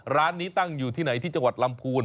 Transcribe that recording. ร้านนี้ตั้งอยู่ที่ไหนที่จังหวัดลำพูน